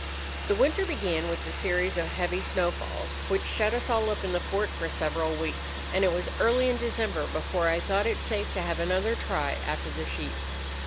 "The winter began with a series of heavy snowfalls which shut us all up in the fort for several weeks, and it was early in December before I thought it safe to have another try after the sheep.